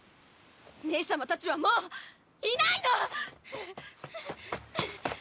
ねえさまたちはもういないの！